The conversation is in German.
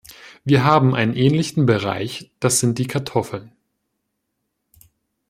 Wir haben einen ähnlichen Bereich, das sind die Kartoffeln.